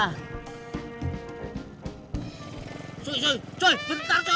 cuy cuy bentar cuy belakang cuy